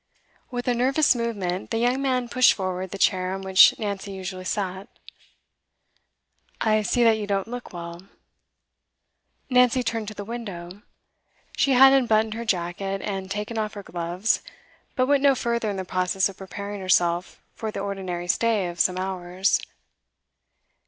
With a nervous movement, the young man pushed forward the chair on which Nancy usually sat. 'I see that you don't look well.' Nancy turned to the window. She had unbuttoned her jacket, and taken off her gloves, but went no further in the process of preparing herself for the ordinary stay of some hours.